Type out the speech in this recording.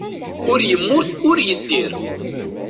Ur yemmut, ur yeddir.